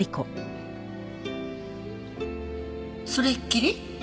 それっきり？